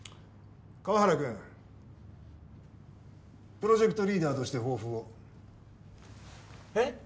川原君プロジェクトリーダーとして抱負をえっ？